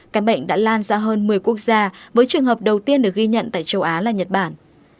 các bệnh đã lan ra hơn một mươi quốc gia với trường hợp đầu tiên được ghi nhận tại châu á là nhật bản